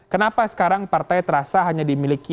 kenapa sekarang partai terasa hanya dimiliki